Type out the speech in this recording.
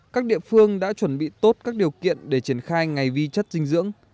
các địa phương đã chuẩn bị tốt các điều kiện để triển khai ngày vi chất dinh dưỡng